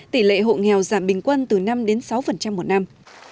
tỷ lệ hộ nghèo giảm bình quân từ năm sáu một năm